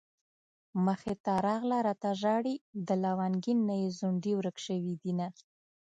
مخې ته راغله راته ژاړي د لونګين نه يې ځونډي ورک شوي دينه